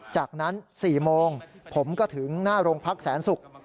จากนั้น๔โมงผมก็ถึงหน้าโรงพักแสนศุกร์